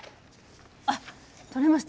あっ、とれました。